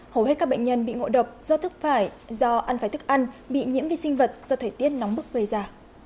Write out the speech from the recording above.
hầu hết các bệnh nhân bị ngộ độc do thức phải do ăn phải thức ăn bị nhiễm vi sinh vật do thời tiết nóng bức gây ra